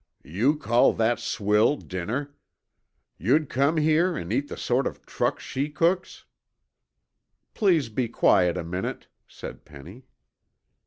"You call that swill dinner? You'd come here an' eat the sort of truck she cooks?" "Please be quiet a minute," said Penny.